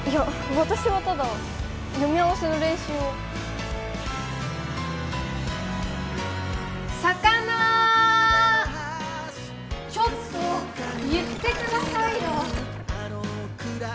私はただ読み合わせの練習をさかなーちょっと言ってくださいよ